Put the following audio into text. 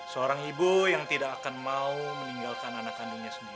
seorang ibu yang tidak akan mau meninggalkan anak kandungnya sendiri